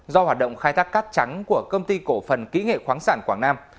do hoạt động khai thác cát trắng của công ty cổ phần kỹ nghệ khoáng sản quảng nam